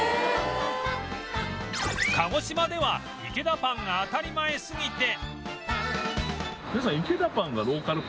鹿児島ではイケダパンが当たり前すぎて